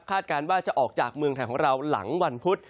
การว่าจะออกจากเมืองไทยของเราหลังวันพุธ